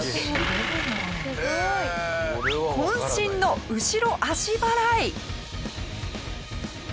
渾身の後ろ足払い！